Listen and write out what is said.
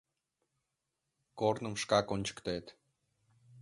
— Корным шкак ончыктет.